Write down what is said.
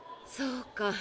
そうか。